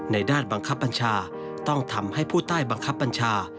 ด้านบังคับบัญชาต้องทำให้ผู้ใต้บังคับบัญชา